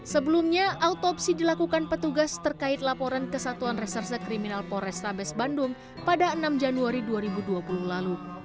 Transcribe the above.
sebelumnya autopsi dilakukan petugas terkait laporan kesatuan reserse kriminal polrestabes bandung pada enam januari dua ribu dua puluh lalu